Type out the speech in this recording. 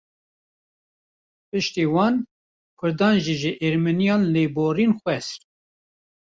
Piştî wan, Kurdan jî ji Ermeniyan lêborîn xwest